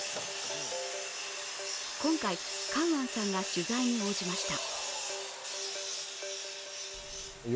今回、カウアンさんが取材に応じました。